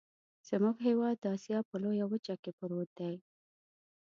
زمونږ هیواد د اسیا په لویه وچه کې پروت دی.